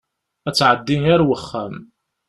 Ad tɛeddi ar wexxam.